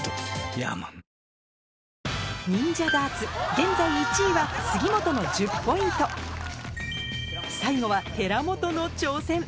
現在１位は杉本の１０ポイント最後は寺本の挑戦